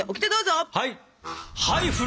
はい！